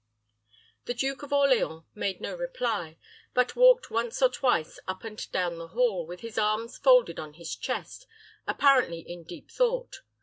The Duke of Orleans made no reply, but walked once or twice up and down the hall, with his arms folded on his chest, apparently in deep thought.